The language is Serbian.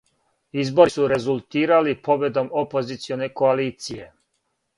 Избори су резултирали победом опозиционе коалиције.